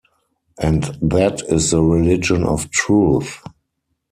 And that is the Religion of Truth.